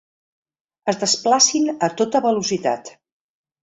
Es desplacin a tota velocitat.